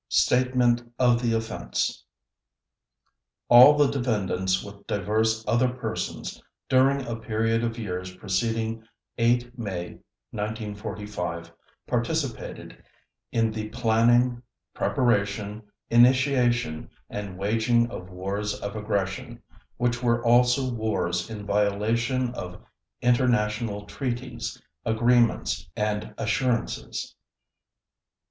Statement of the Offense All the defendants with divers other persons, during a period of years preceding 8 May 1945, participated in the planning, preparation, initiation, and waging of wars of aggression, which were also wars in violation of international treaties, agreements, and assurances.